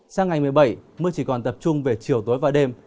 sang ngày một mươi bảy mưa chỉ còn tập trung về chiều tối và đêm